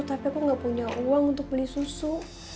tapi aku gak punya uang untuk beli susu